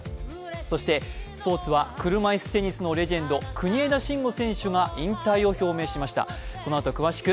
そしてスポーツは車いすテニスのレジェンド、国枝慎吾選手が引退を表明しました。